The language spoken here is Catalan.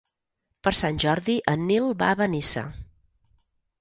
Per Sant Jordi en Nil va a Benissa.